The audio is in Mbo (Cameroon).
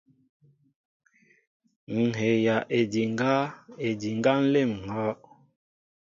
Ŋhɛjaʼédiŋga, édiŋga nlém ŋhɔʼ.